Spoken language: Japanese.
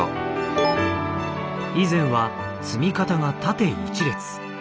以前は積み方が縦一列。